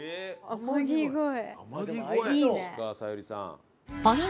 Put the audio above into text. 「天城越え」